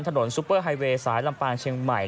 ซุปเปอร์ไฮเวย์สายลำปางเชียงใหม่